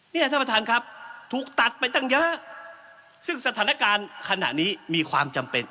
ท่านประธานครับถูกตัดไปตั้งเยอะซึ่งสถานการณ์ขณะนี้มีความจำเป็น